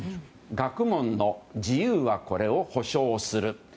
学問の自由は、これを保障する。